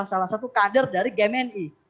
salah satu kader dari gmni